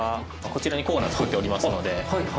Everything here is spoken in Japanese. こちらにコーナー作っておりますので。